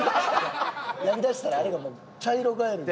やりだしたらあれがもう茶色ガエルに。